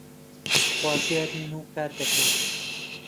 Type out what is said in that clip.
خوازیارین و کار دەکەین